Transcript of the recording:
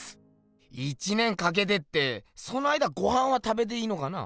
１年かけてってその間ごはんは食べていいのかな？